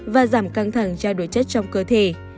và giảm căng thẳng trao đổi chất trong cơ thể